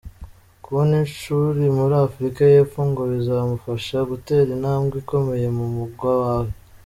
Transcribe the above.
Kubona ishuri muri Afrika y'Epfo ngo bizamufasha gutera intambwe ikomeye mu mwuga we.